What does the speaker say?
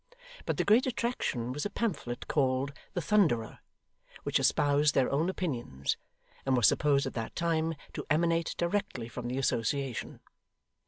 But the great attraction was a pamphlet called The Thunderer, which espoused their own opinions, and was supposed at that time to emanate directly from the Association.